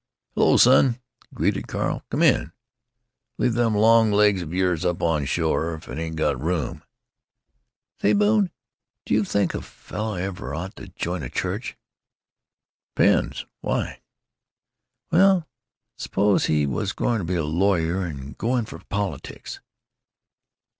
"Hello, son!" he greeted Carl. "Come in. Leave them long legs of yours up on shore if there ain't room." "Say, Bone, do you think a fellow ever ought to join a church?" "Depends. Why?" "Well, suppose he was going to be a lawyer and go in for politics?"